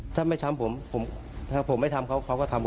อื้อไม่เอานะไม่ส้มขอโทษนะ